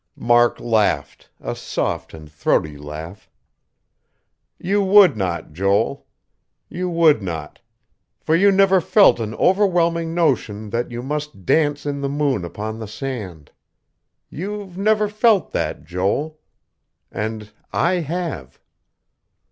Mark laughed, a soft and throaty laugh. "You would not, Joel. You would not. For you never felt an overwhelming notion that you must dance in the moon upon the sand. You've never felt that, Joel; and I have."